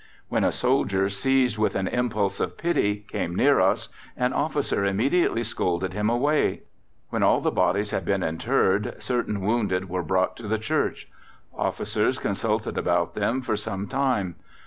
"When a soldier, seized with an impulse of pity, came near us, an officer immediately scolded him away. When all the bodies had been interred, certain wounded were brought to the Church. Officers consulted about them for some time.